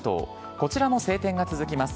こちらも晴天が続きます。